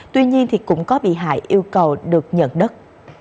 tuy nhiên thì cũng có bị hại yêu cầu được nhận đất